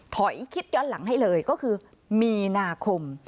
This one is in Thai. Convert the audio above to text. คิดย้อนหลังให้เลยก็คือมีนาคม